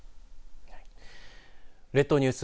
列島ニュース